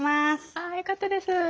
あよかったです。